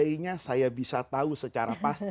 seandainya saya bisa mengetahui hal hal yang lainnya